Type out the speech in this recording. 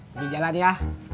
udah jalan ya